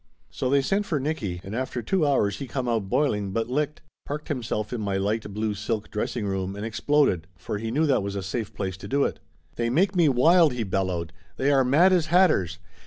So they sent for Nicky and after two hours he come out boiling, 290 Laughter Limited but licked, parked himself in my light blue silk dress ing room and exploded, for he knew that was a safe place to do it. "They make me wild!" he bellowed. "They are mad as hatters!